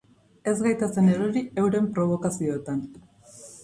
Ez gaitezen erori euren probokazioetan.